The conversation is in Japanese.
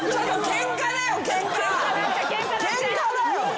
ケンカだよ。